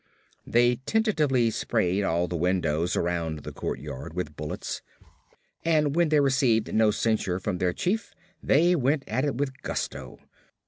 They tentatively sprayed all the windows around the courtyard with bullets and when they received no censure from their chief they went at it with gusto.